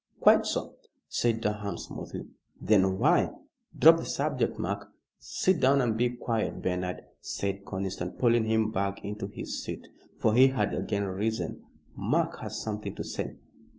"Quite so," said Durham, smoothly. "Then why " "Drop the subject, Mark." "Sit down and be quiet, Bernard," said Conniston, pulling him back into his seat, for he had again risen. "Mark has something to say."